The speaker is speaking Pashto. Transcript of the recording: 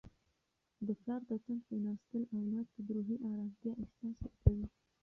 د پلار تر څنګ کښیناستل اولاد ته د روحي ارامتیا احساس ورکوي.